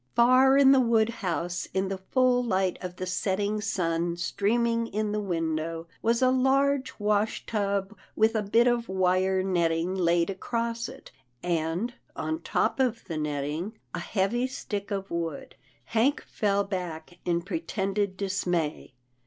Far in the wood house, in the full light of the setting sun streaming in the window, was a large wash tub with a bit of wire netting laid across it, and, on top of the netting, a heavy stick of wood. Hank fell back in pretended dismay.